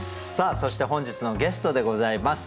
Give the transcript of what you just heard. そして本日のゲストでございます。